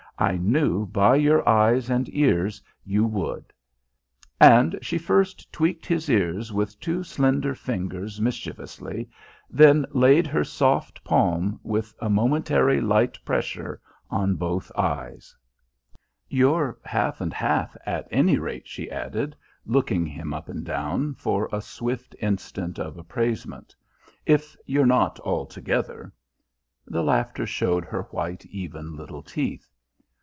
I knew by your eyes and ears you would." And she first tweaked his ears with two slender fingers mischievously, then laid her soft palm with a momentary light pressure on both eyes. "You're half and half, at any rate," she added, looking him up and down for a swift instant of appraisement, "if you're not altogether." The laughter showed her white, even little teeth.